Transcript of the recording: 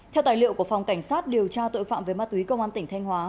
theo tài liệu của phòng cảnh sát điều tra tội phạm về ma túy công an tỉnh thanh hóa